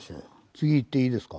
次いっていいですか？